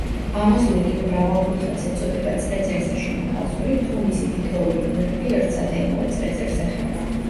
ამოზნექილ მრავალკუთხედს ეწოდება წრეწირზე შემოხაზული, თუ მისი თითოეული გვერდი ერთსა და იმავე წრეწირს ეხება.